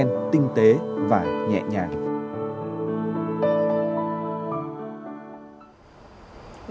cùng hoa sen tinh tế và nhẹ nhàng